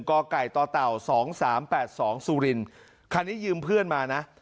ก่อก่ายต่อเต่าสองสามแปดสองซูรินคันนี้ยืมเพื่อนมานะ